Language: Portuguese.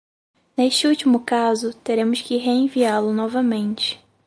Neste último caso, teremos que reenviá-lo novamente.